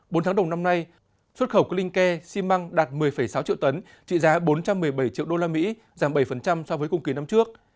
bốn tháng đồng năm nay xuất khẩu của linh ke xi măng đạt một mươi sáu triệu tấn trị giá bốn trăm một mươi bảy triệu đô la mỹ giảm bảy so với cùng kỳ năm trước